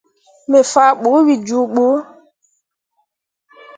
Me faa ɓu wǝ jooɓǝ.